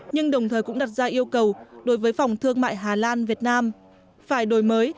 nhưng đồng thời cũng đặt ra yêu cầu đối với phòng thương mại hà lan việt nam phải đổi mới